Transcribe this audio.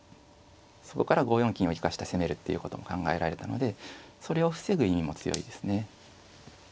そこから５四金を利かして攻めるっていうことも考えられたのでそれを防ぐ意味も強いですね。